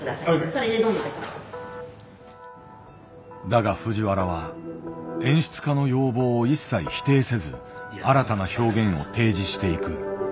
だが藤原は演出家の要望を一切否定せず新たな表現を提示していく。